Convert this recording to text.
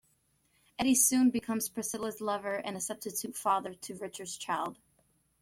Eddy soon becomes Priscilla's lover and a substitute father to Richard's child.